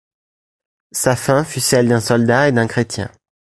Sa fin fut celle d’un soldat et d’un chrétien.